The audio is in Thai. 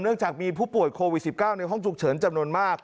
เนื่องจากมีผู้ป่วยโควิดสิบเก้าในห้องฉุกเฉินจำนวนมาก